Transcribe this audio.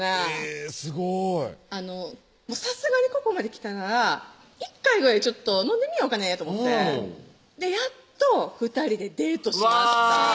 えぇすごいさすがにここまできたら１回ぐらいちょっと飲んでみようかねと思ってやっと２人でデートしましたうわ